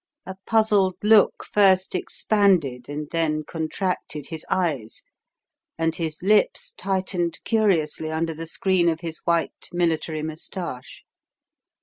A puzzled look first expanded and then contracted his eyes, and his lips tightened curiously under the screen of his white, military moustache.